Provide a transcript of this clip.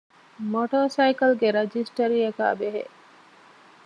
މޮޓޯސައިކަލްގެ ރަޖިސްޓަރީއަކާބެހޭ